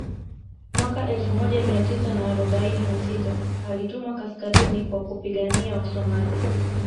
Mwaka elfu moja Mia tisa na arobaini na sita alitumwa kaskazini kwa kupigania Wasomalia